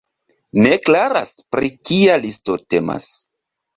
Ne klaras, pri kia listo temas.